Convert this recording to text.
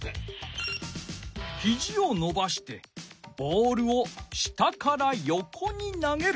ひじをのばしてボールを下からよこに投げる。